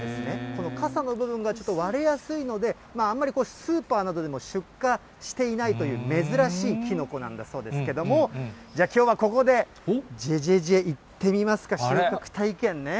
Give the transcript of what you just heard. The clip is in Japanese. このかさの部分がちょっと割れやすいので、あんまりスーパーなどでも出荷していないという珍しいキノコなんだそうですけれども、じゃあ、きょうはここで、じぇじぇじぇいってみますか、収穫体験ね。